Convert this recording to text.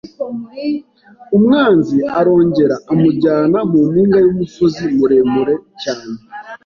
“Umwanzi arongera amujyana mu mpinga y’umusozi muremure cyane,